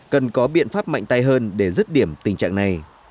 cần có biện pháp mạnh tay hơn để dứt điểm tình trạng này